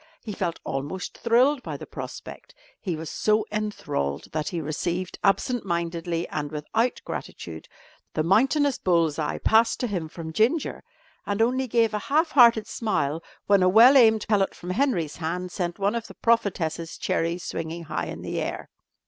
He felt almost thrilled by the prospect. He was so enthralled that he received absent mindedly, and without gratitude, the mountainous bull's eye passed to him from Ginger, and only gave a half hearted smile when a well aimed pellet from Henry's hand sent one of the prophetess's cherries swinging high in the air.